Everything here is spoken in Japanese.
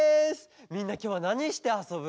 みんなきょうはなにしてあそぶ？